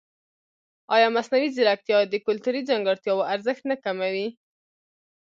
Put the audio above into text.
ایا مصنوعي ځیرکتیا د کلتوري ځانګړتیاوو ارزښت نه کموي؟